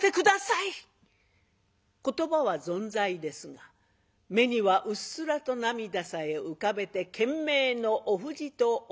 言葉はぞんざいですが目にはうっすらと涙さえ浮かべて懸命のおふじとおゆき。